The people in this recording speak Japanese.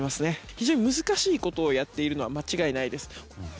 非常に難しいことをやっているのは間違いないです。